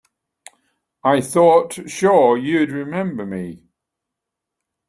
I thought sure you'd remember me.